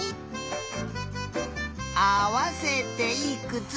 あわせていくつ？